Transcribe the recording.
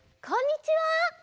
こんにちは！